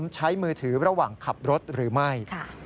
ใช้มือถือระหว่างขับรถหรือไม่